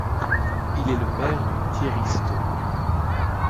Il est le père de Thierry Staub.